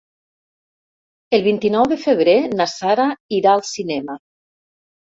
El vint-i-nou de febrer na Sara irà al cinema.